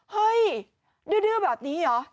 เฮ้ยดื้อแบบนี้เหรอ